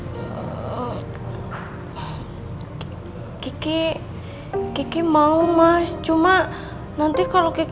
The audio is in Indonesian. eee gigi gigi mau mas cuma nanti kalo gigi makan terus abis itu perdoan gigi enggak